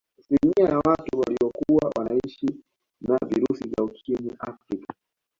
Asilimia ya watu waliokuwa wanaishi na virusi vya Ukimwi Afrika